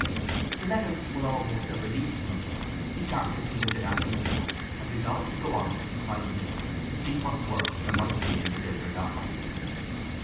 The letters were almost a relief to him. He started to visit Aunt Drusilla, and resolved to go onward to Christminster to see what worth there might be in the builder's offer.